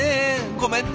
ごめんね！